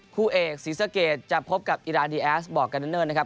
คู่เอกศรีสะเกดจะพบกับอิราดีแอสบอกกันเนอร์นะครับ